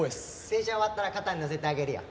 洗車終わったら肩にのせてあげるよ。